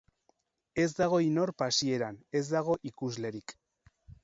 Ez dago inor pasieran, ez dago ikuslerik.